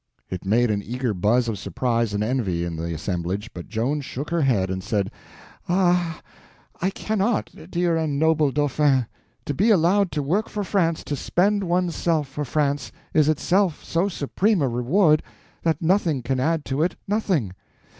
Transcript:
It made an eager buzz of surprise and envy in the assemblage, but Joan shook her head and said: "Ah, I cannot, dear and noble Dauphin. To be allowed to work for France, to spend one's self for France, is itself so supreme a reward that nothing can add to it—nothing.